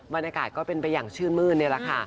บรรยากาศก็เป็นไปอย่างชื่นมื้นนี่แหละค่ะ